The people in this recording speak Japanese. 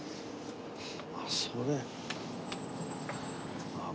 あっそれ。